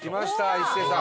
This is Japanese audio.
一生さん。